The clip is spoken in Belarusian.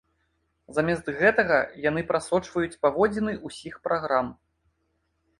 Замест гэтага яны прасочваюць паводзіны ўсіх праграм.